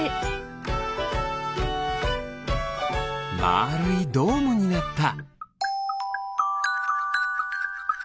まるいドームになった。